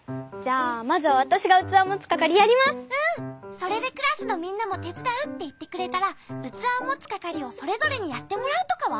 それでクラスのみんなもてつだうっていってくれたらうつわをもつかかりをそれぞれにやってもらうとかは？